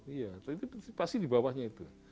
iya itu pasti di bawahnya itu